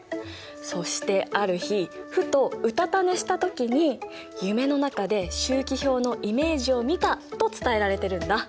そしてある日ふとうたた寝した時に夢の中で周期表のイメージを見たと伝えられてるんだ。